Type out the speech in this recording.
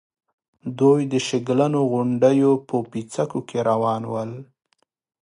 دوی د شګلنو غونډېو په پيڅکو کې روان ول.